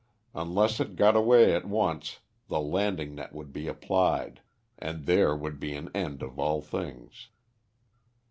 Unless it got away at once the landing net would be applied; then there would be an end of all things.